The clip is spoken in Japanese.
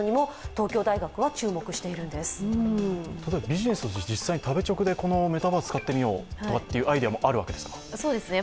ビジネスとして実際に食べチョクでこのメタバースを使ってみようというアイデアもあるわけですか？